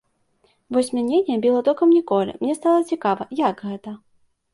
Вось мяне не біла токам ніколі, мне стала цікава, як гэта.